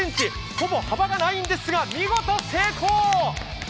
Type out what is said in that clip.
ほぼ幅がないんですが見事、成功！